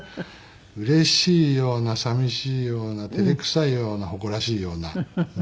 うれしいような寂しいような照れくさいような誇らしいような。